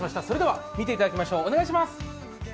それでは見ていただきましょう、お願いします。